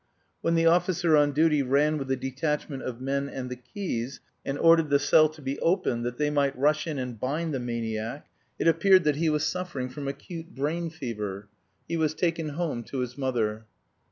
When the officer on duty ran with a detachment of men and the keys and ordered the cell to be opened that they might rush in and bind the maniac, it appeared that he was suffering from acute brain fever. He was taken home to his mother.